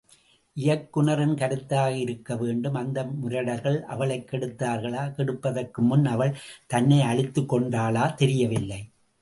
இயக்குநரின் கருத்தாக இருக்கவேண்டும், அந்த முரடர்கள் அவளைக் கெடுத்தார்களா கெடுப்பதற்கு முன் அவள் தன்னை அழித்துக் கொண்டாளா தெரியவில்லை.